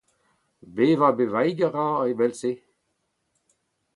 Bevañ-bevaik a ra evel-se.